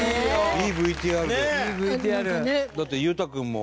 いいＶＴＲ。